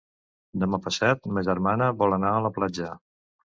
Demà passat ma germana vol anar a la platja.